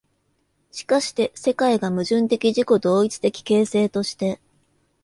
しかして世界が矛盾的自己同一的形成として、